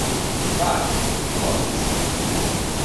Várj! Hova mész?